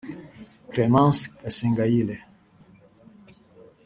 Clémence Gasengayire